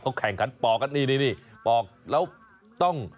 ก็แข่งขันปลอกนะนี่ปลอกแล้วต้อง